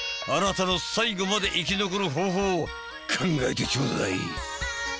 あなたの「最後まで生き残る方法」を考えてちょうだい。